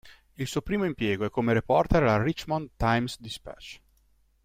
Il suo primo impiego è come reporter al Richmond Times-Dispatch.